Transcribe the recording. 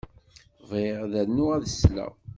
Bɣiɣ ad rnuɣ ad sleɣ.